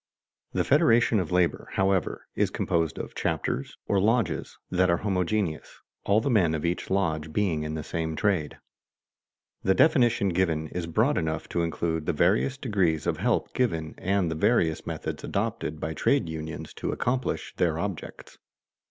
The Federation of Labor, however, is composed of chapters, or lodges, that are homogeneous, all the men of each lodge being in the same trade. The definition given is broad enough to include the various degrees of help given and the various methods adopted by trade unions to accomplish their objects.